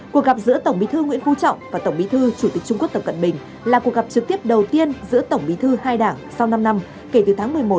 cuộc gặp giữa tổng bí thư nguyễn phú trọng và tổng bí thư chủ tịch trung quốc tập cận bình là cuộc gặp trực tiếp đầu tiên giữa tổng bí thư hai đảng sau năm năm kể từ tháng một mươi một năm hai nghìn một mươi bảy